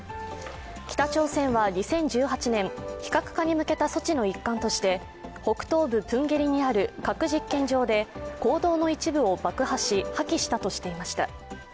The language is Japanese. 北朝鮮は２０１８年、非核化に向けた措置の一環として北東部プンゲリにある核実験場で坑道の一部を爆破し破棄したとしていました。